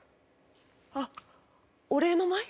あっお礼の舞？